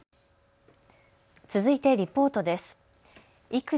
続いてリポートです。